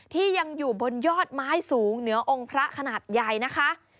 ที่ยังอยู่บนยอดไม้สูงเหนือองค์พระขนาดใหญ่นะคะ